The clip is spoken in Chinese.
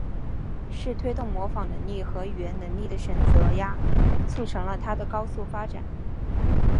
是推动模仿能力和语言能力的选择压促成了它的高速发展。